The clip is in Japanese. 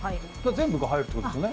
全部が入るってことですよね。